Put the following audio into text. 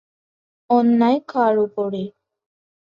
অন্যায় কার উপরে।